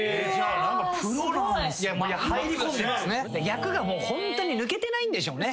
役がホントに抜けてないんでしょうね。